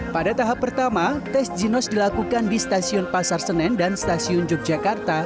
pada tahap pertama tes ginos dilakukan di stasiun pasar senen dan stasiun yogyakarta